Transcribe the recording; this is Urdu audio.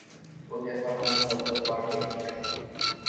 تو جیسا ہم متعدد بار دیکھ چکے ہیں۔